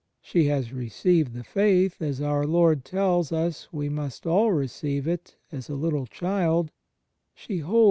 She has received the Faith, as our Lord tells us we must all receive it, as a "little child":* she holds ^I John iv : i; I Cor.